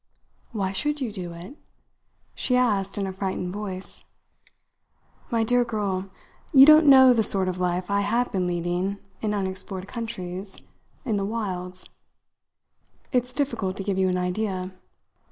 "Why should you do it?" she asked in a frightened voice. "My dear girl, you don't know the sort of life I have been leading in unexplored countries, in the wilds; it's difficult to give you an idea.